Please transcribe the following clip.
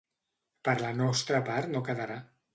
Per la nostra part no quedarà.